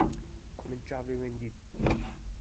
Min çavên xwe dît.